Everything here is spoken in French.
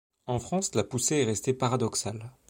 En France la poussée est restée paradoxale.